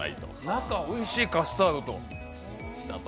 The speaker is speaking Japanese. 中、おいしい、カスタードと。